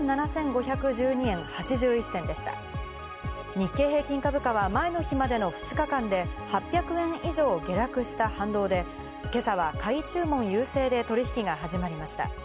日経平均株価は前の日までの２日間で８００円以上下落した反動で、今朝は買い注文優勢で取引が始まりました。